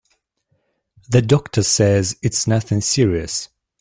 The doctor says it's nothing serious.